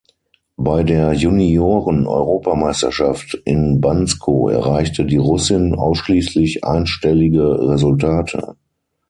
Bei der Junioren-Europameisterschaft in Bansko erreichte die Russin ausschließlich einstellige Resultate.